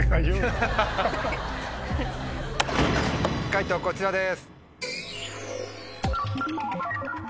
解答こちらです。